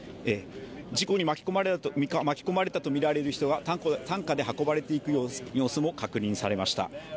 事故に巻き込まれたとみられる人が担架で運ばれていく様子も確認できました。